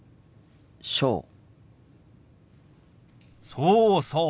そうそう。